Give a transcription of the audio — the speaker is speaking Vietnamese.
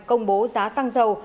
công bố giá xăng dầu